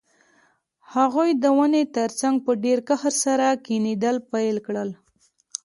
هغه د ونې ترڅنګ په ډیر قهر سره کیندل پیل کړل